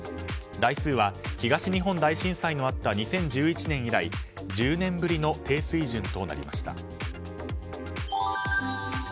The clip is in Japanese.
台数は東日本大震災のあった２０１１年以来１０年ぶりの低水準となりました。